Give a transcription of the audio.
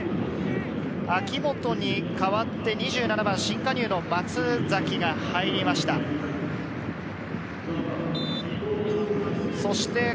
明本に代わって、２７番新加入の松崎が入りました。